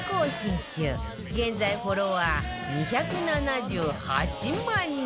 現在フォロワー２７８万人！